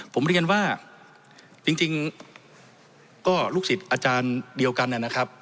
ผมเรียนว่าจริงก็ลูกศิษย์อาจารย์เดียวกันนะครับ